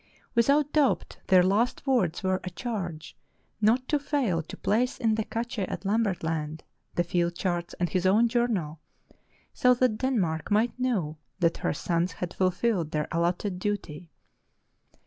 Without doubt their last words were a charge not to fail to place in the cache at Lam bert Land the field charts and his own journal, so that Denmark might know that her sons had fulfilled their allotted duty.